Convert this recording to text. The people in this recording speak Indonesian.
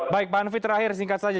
baik pak hanfit terakhir singkat saja